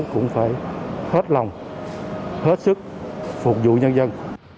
cũng phải hết lòng hết sức phục vụ nhân dân